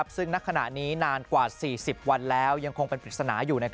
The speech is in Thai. ซึ่งณขณะนี้นานกว่า๔๐วันแล้วยังคงเป็นปริศนาอยู่